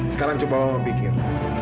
sekarang coba mama pikir